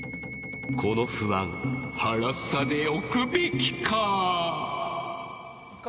この不安はらさでおくべきか。